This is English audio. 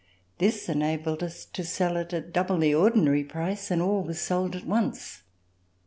This enabled us to sell It at double the ordinary price, and all was sold at once.